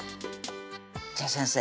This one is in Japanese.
じゃあ先生